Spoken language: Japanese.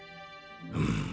うん。